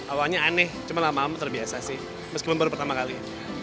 awalnya aneh cuma lama lama terbiasa sih meskipun baru pertama kali